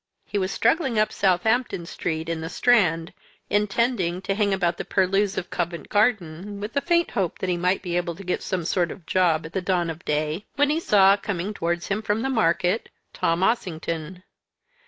He was struggling up Southampton Street, in the Strand, intending to hang about the purlieus of Covent Garden with the faint hope that he might be able to get some sort of job at the dawn of day, when he saw, coming towards him from the market, Tom Ossington.